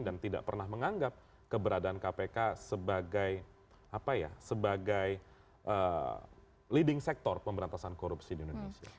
dan tidak pernah menganggap keberadaan kpk sebagai leading sektor pemberantasan korupsi di indonesia